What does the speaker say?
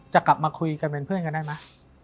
จะกลับมาคุยกันเป็นเพื่อนกันได้ไหม